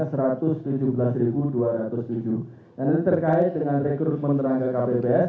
ini terkait dengan rekrutmen tenaga kpps